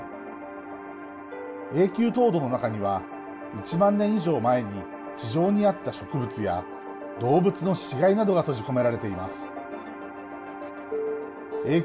永久凍土の中には１万年以上前に地上にあった植物や動物の死骸などが閉じ込められています。